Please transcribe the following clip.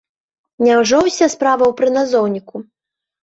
Няўжо ўся справа ў прыназоўніку?